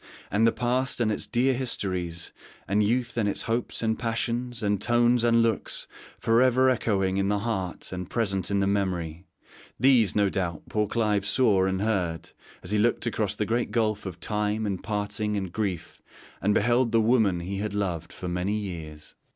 'And the past and its dear histories, and youth and its hopes and passions, and tones and looks for ever echoing in the heart and present in the memory these, no doubt, poor Clive saw and heard as he looked across the great gulf of time, and parting and grief, and beheld the wonmn he had loved for many years.'